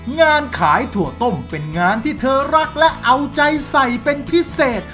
งานขายถั่วต้มเป็นงานที่เธอรักและเอาใจใส่เป็นพิเศษ